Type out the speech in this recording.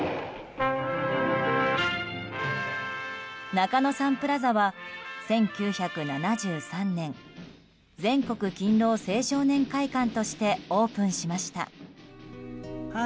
中野サンプラザは１９７３年全国勤労青少年会館としてオープンしました。